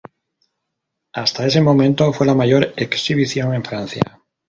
Hasta ese momento fue la mayor exhibición en Francia.